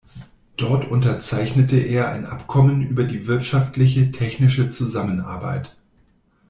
Dort unterzeichnete er ein Abkommen über die wirtschaftliche technische Zusammenarbeit.